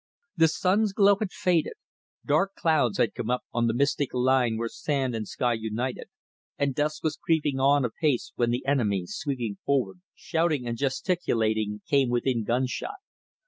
The sun's glow had faded, dark clouds had come up on the mystic line where sand and sky united, and dusk was creeping on apace when the enemy, sweeping forward, shouting and gesticulating, came within gunshot.